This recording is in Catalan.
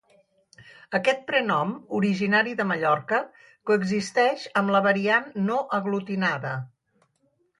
Aquest prenom, originari de Mallorca, coexisteix amb la variant no aglutinada.